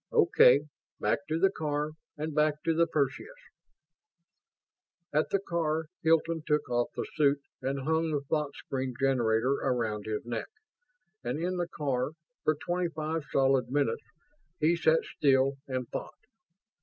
"Okay. Back to the car and back to the Perseus." At the car Hilton took off the suit and hung the thought screen generator around his neck; and in the car, for twenty five solid minutes, he sat still and thought.